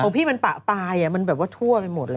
ของพี่มันปลายมันแบบว่าทั่วไปหมดแล้ว